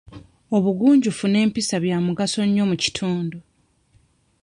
Obugunjufu n'empisa bya mugaso nnyo mu kitundu.